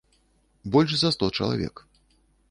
Больш за сто чалавек.